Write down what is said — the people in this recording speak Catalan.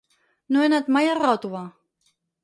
No he anat mai a Ròtova.